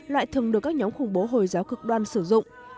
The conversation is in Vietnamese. lại thường được các nhóm khủng bố hồi giáo cực đoan sử dụng